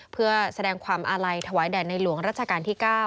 เพื่อแสดงความอาลัยถวายแด่ในหลวงรัชกาลที่๙